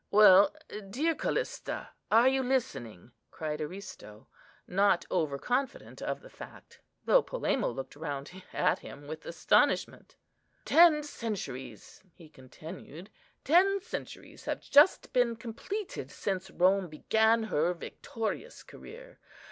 "Well, dear Callista, are you listening?" cried Aristo, not over confident of the fact, though Polemo looked round at him with astonishment. "Ten centuries," he continued, "ten centuries have just been completed since Rome began her victorious career.